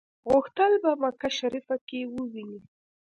غوښتل په مکه شریفه کې وویني.